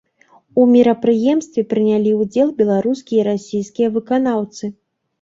У мерапрыемстве прынялі ўдзел беларускія і расійскія выканаўцы.